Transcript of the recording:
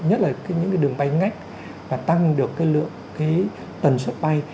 nhất là những cái đường bay ngách và tăng được lượng cái tần suất bay